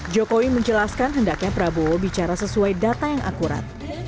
jokowi menjelaskan hendaknya prabowo bicara sesuai data yang akurat